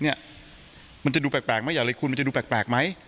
เนี่ยมันจะดูแปลกมั้ยอย่าเลยคุณมันจะดูแปลกมั้ย